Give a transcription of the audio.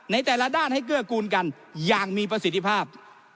ในแต่ละด้านให้เกื้อกูลกันอย่างมีประสิทธิภาพ